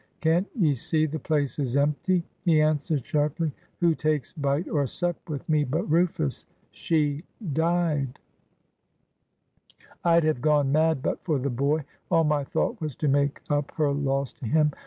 "Can't ye see the place is empty?" he answered sharply. "Who takes bite or sup with me but Rufus? She died. "I'd have gone mad but for the boy. All my thought was to make up her loss to him.